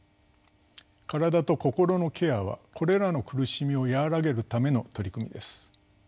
身体と心のケアはこれらの苦しみを和らげるための取り組みです。